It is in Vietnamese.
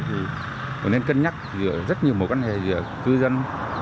thì cũng nên cân nhắc giữa rất nhiều mối quan hệ giữa cư dân